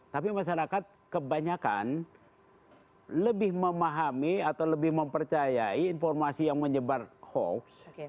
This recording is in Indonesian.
tapi masyarakat kebanyakan lebih memahami atau lebih mempercayai informasi yang menyebar hoax